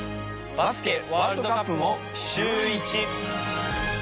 バスケワールドカップもシューイチ。